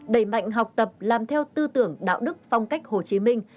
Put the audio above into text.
đẩy mạnh học tập làm theo tư tưởng đạo đức phong cách hồ chí minh